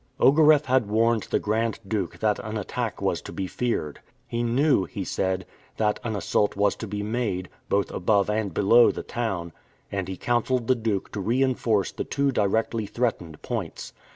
Ogareff had warned the Grand Duke that an attack was to be feared. He knew, he said, that an assault was to be made, both above and below the town, and he counselled the Duke to reinforce the two directly threatened points.